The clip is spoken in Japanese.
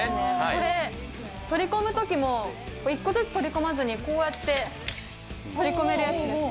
これ、取り込むときも、１個ずつ取り込まずにこうやって取り込めるやつです。